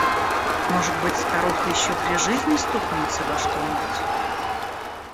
Может быть, старуха еще при жизни стукнулась обо что-нибудь?